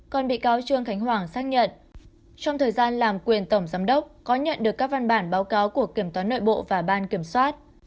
còn bị cáo trương khánh hoàng xác nhận trong thời gian làm quyền tổng giám đốc có nhận được các văn bản báo cáo của kiểm toán nội bộ và ban kiểm soát